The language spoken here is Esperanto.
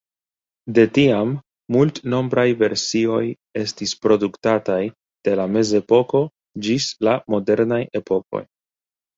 De tiam, multnombraj versioj estis produktataj, de la mezepoko ĝis la modernaj epokoj.